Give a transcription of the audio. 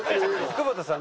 久保田さん